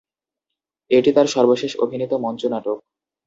এটি তার সর্বশেষ অভিনীত মঞ্চনাটক।